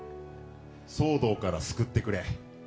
騒動から救ってくれ。